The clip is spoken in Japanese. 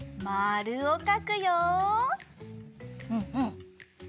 うんうん！